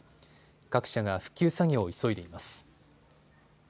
各社が復旧作業を急いでいます。